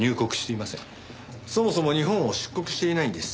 そもそも日本を出国していないんです。